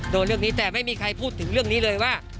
โดนเรื่องนี้แต่ไม่มีใครพูดถึงเรื่องนี้เลยว่า